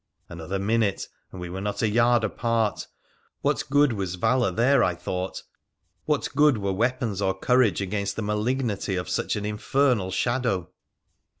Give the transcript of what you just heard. Another minute and we were not a yard apart. What good was valour there, I thought ? What good were weapons or courage against the malignity of such an infernal shadow